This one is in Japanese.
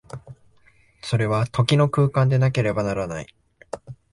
それは時の空間でなければならない。